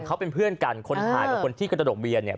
เขาเป็นเพื่อนกันคนถ่ายกับคนที่กระดกเบียนเนี่ย